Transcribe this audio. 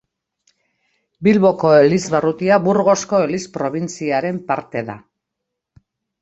Bilboko elizbarrutia Burgosko eliz probintziaren parte da.